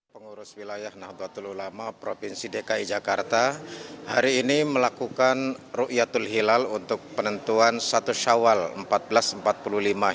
pengurus wilayah nahdlatul ulama provinsi dki jakarta hari ini melakukan ⁇ ruyatul hilal untuk penentuan satu syawal seribu empat ratus empat puluh lima hij